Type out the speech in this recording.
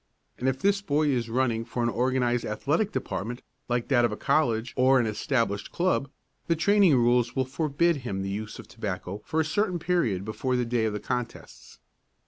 And if this boy is running for an organised athletic department like that of a college or an established club, the training rules will forbid him the use of tobacco for a certain period before the day of the contests.